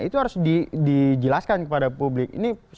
itu harus dijelaskan kepada publik